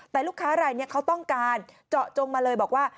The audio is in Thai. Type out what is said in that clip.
แต่ลูกค้ารายนี้เขาต้องการเจาะจงมาเลยบอกว่า